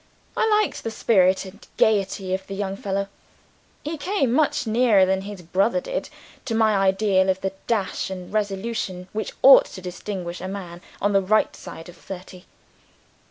I liked the spirit and gaiety of the young fellow. He came much nearer than his brother did to my ideal of the dash and resolution which ought to distinguish a man on the right side of thirty.